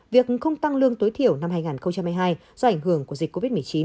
việc không tăng lương tối thiểu năm hai nghìn hai mươi hai do ảnh hưởng của dịch covid một mươi chín